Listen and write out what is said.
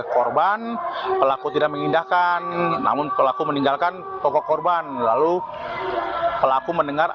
korban pelaku tidak mengindahkan namun pelaku meninggalkan toko korban lalu pelaku mendengar